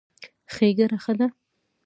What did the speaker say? ښېګړه ښه ده.